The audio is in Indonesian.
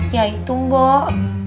ya itu mbak